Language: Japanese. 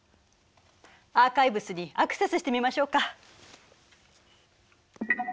アーカイブスにアクセスしてみましょうか。